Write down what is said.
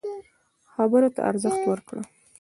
خبرو ته ارزښت ورکړه.